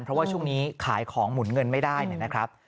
เพราะว่าช่วงนี้ขายของหมุนเงินไม่ได้นะครับ